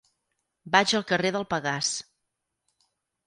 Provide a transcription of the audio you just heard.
Vaig al carrer del Pegàs.